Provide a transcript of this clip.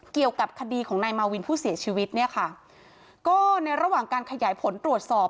เกี่ยวกับคดีของนายมาวินผู้เสียชีวิตเนี่ยค่ะก็ในระหว่างการขยายผลตรวจสอบ